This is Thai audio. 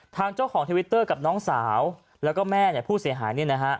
ทางเจ้าของทวิตเตอร์กับน้องสาวแล้วก็แม่ผู้เสียหาย